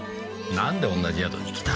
なんで同じ宿に来た？